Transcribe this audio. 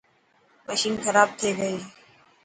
مشين کراب ٿي گئي.